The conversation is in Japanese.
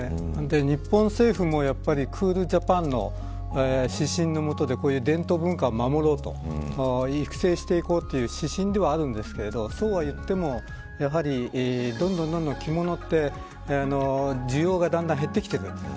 日本政府も、クールジャパンの指針の元でこういう伝統文化を守ろうと育成していこうという指針ではあるんですけどそうは言ってもやはり、どんどん着物って需要がだんだん減ってきている。